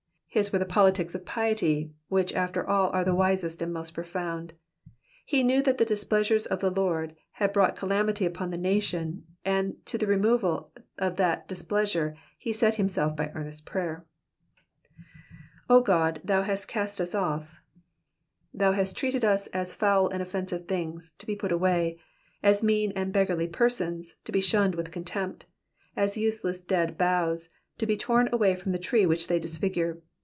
His were the politics of piety, which after all are the wisest and most profound. He knew that the displeasure of the Lord had brought calamity upon the nation, and to the removal of that displeasure he set himself by earnest prayer. ^^0 Qod^ thou hast cast us off^ Thou hast treated us as foul and offensive things, to be put away ; as mean and beggarly persons, to be shunned with contempt ; as useless dead boughs, to be torn away from the Digitized by VjOOQIC PSALM THB SIXTIBIE. 91 tree which they disfigure.